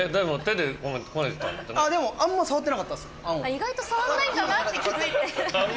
意外と触んないんだなって気付いて。